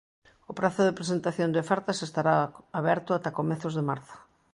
O prazo de presentación de ofertas estará aberto ata comezos de marzo.